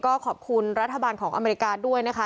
ก็ขอบคุณรัฐบาลของอเมริกาด้วยนะคะ